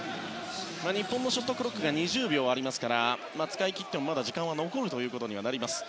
日本のショットクロックが２０秒ありますから使い切っても、まだ時間は残ることにはなります。